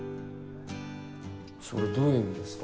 それどういう意味ですか？